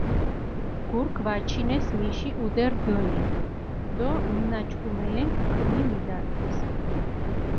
გურქ ვაჩინეს მიში ჸუდე რდჷნი, დო მჷნაჩქუმელენქ კჷნი მიდართეს.